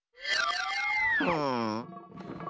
うん。